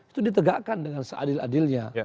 itu ditegakkan dengan seadil adilnya